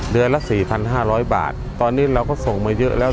เดือนละ๔๕๐๐บาทตอนนี้เราก็ส่งมาเยอะแล้ว